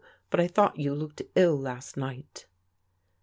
But I thought you looked ill last night."